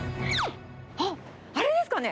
あっ、あれですかね？